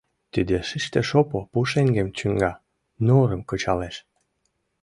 Тиде шиште шопо пушеҥгым чуҥга, норым кычалеш.